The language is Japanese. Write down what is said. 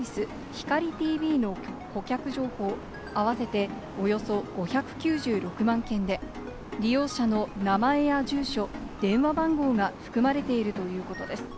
・ひかりＴＶの顧客情報、合わせておよそ５９６万件で、利用者の名前や住所、電話番号が含まれているということです。